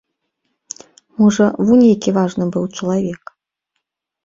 Можа, вунь які важны быў чалавек!